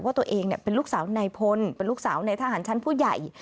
ว่าตัวเองเป็นลูกสาวนายพลเป็นลูกสาวในทหารชั้นผู้ใหญ่